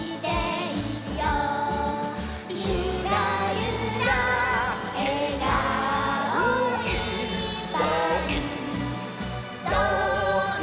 「ゆらゆらえがおいっぱいどんなときも」